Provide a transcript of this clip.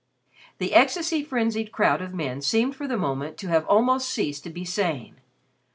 The ecstasy frenzied crowd of men seemed for the moment to have almost ceased to be sane.